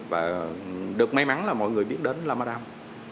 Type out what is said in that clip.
và được may mắn là mọi người biết đến lama dam